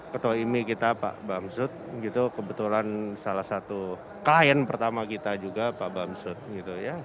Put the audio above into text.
ketua imi kita pak bamsud gitu kebetulan salah satu klien pertama kita juga pak bamsud gitu ya